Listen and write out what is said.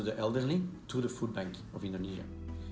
kami akan memberikan uang kepada bank makanan indonesia